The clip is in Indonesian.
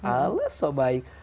allah sok baik